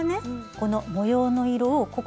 この模様の色をここでね